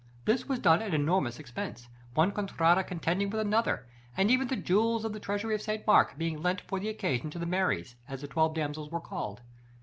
This was done at enormous expense, one contrada contending with another, and even the jewels of the treasury of St. Mark being lent for the occasion to the "Maries," as the twelve damsels were called.